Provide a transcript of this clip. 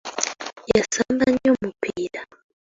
Yaasamba nnyo omupiira.